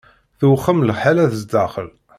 Tewxem lḥala sdaxel.